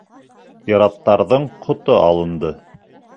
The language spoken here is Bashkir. Пираттарҙың ҡото алынды.